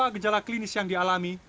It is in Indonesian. gejala klinis yang dialami